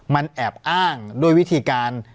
มันแอบอ้างด้วยวิธีการ